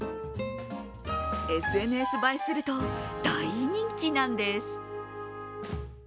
ＳＮＳ映えすると大人気なんです。